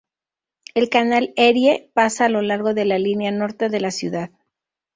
El canal Erie pasa a lo largo de la línea norte de la ciudad.